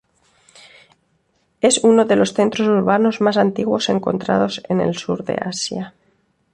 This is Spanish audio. Es uno de los centros urbanos más antiguos encontrados en el sur de Asia.